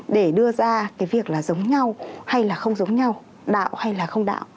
để đưa ra cái việc là giống nhau hay là không giống nhau đạo hay là không đạo